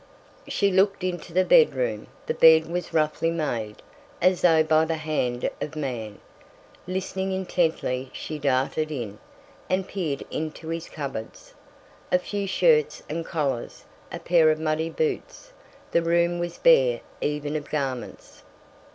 She looked into the bedroom; the bed was roughly made, as though by the hand of man. Listening intently, she darted in, and peered into his cupboards. A few shirts and collars, a pair of muddy boots—the room was bare even of garments.